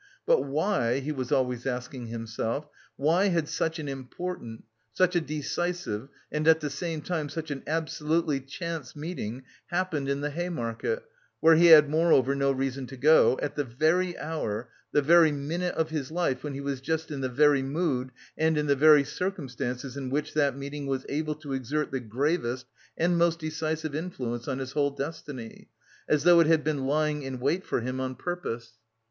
But why, he was always asking himself, why had such an important, such a decisive and at the same time such an absolutely chance meeting happened in the Hay Market (where he had moreover no reason to go) at the very hour, the very minute of his life when he was just in the very mood and in the very circumstances in which that meeting was able to exert the gravest and most decisive influence on his whole destiny? As though it had been lying in wait for him on purpose!